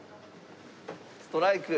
ストライク。